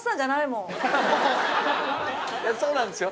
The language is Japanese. そうなんですよ